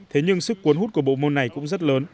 thế nhưng sức cuốn hút của bộ môn này cũng rất lớn